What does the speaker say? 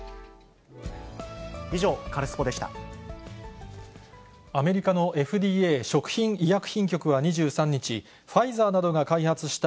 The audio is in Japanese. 以上、カルスポっ！でした。